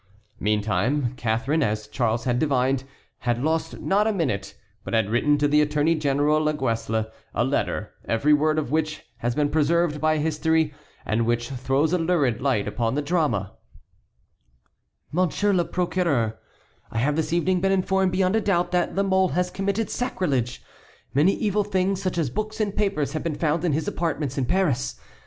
Meantime Catharine, as Charles had divined, had lost not a minute, but had written to the Attorney General Laguesle a letter, every word of which has been preserved by history and which throws a lurid light upon the drama: "Monsieur le Procureur: I have this evening been informed beyond a doubt that La Mole has committed sacrilege. Many evil things such as books and papers have been found in his apartments in Paris.